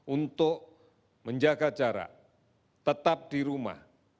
untuk menjaga jarak tetap di rumah